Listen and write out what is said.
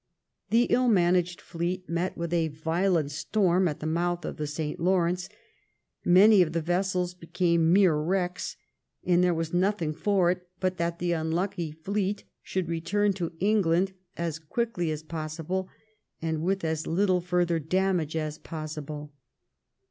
The ill managed fleet met with a violent storm at the mouth of the St. Lawrence ; many of the vessels became mere wrecks ; and there was nothing for it but that the unlucky fleet should return to England as quickly and with as little further damage as possible.